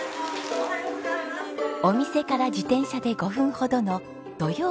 お店から自転車で５分ほどの「土曜ｃａｆｅ」。